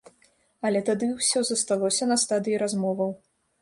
Але тады ўсё засталося на стадыі размоваў.